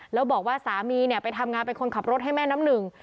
แล้วบอกว่าสามีเนี่ยไปทำงานเป็นคนขับรถให้แม่น้ำหนึ่ง